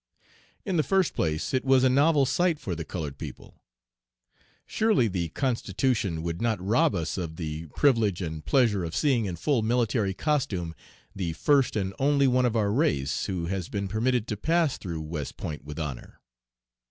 "In the first place it was a novel sight for the colored people. Surely the Constitution would not rob us of the privilege and pleasure of seeing in full military costume the first and only one of our race who has been permitted to pass through West Point with honor.